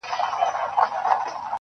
ستړى په گډا سومه ،چي، ستا سومه.